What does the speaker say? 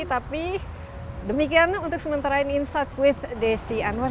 tapi demikian untuk sementara ini insight with desi anwar